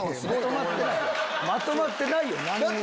まとまってないよ！